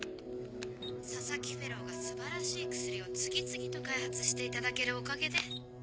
佐々木フェローが素晴らしい薬を次々と開発していただけるおかげで。